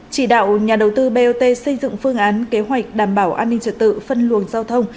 chỉ đạo nhà đầu tư bot xây dựng phương án kế hoạch đảm bảo an ninh trật tự phân luồng giao thông